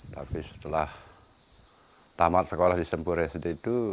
tapi setelah tamat sekolah di sempur ya setelah itu